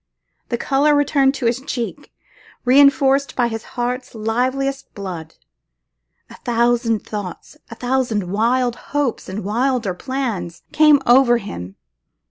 The colour returned to his cheek, reinforced by his heart's liveliest blood. A thousand thoughts, a thousand wild hopes and wilder plans, came over him.